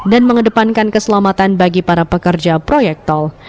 dan mengedepankan keselamatan bagi para pekerja proyektol